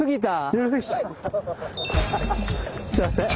すいません。